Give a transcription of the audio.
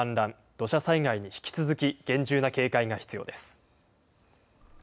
土砂災害に引き続き厳重な警戒が必要です。